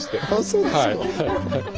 そうですか。